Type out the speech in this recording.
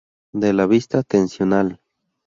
De la vista atencional.